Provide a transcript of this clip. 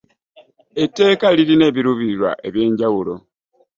Etteeka lina n'ebiruubirirwa eby'enjawulo.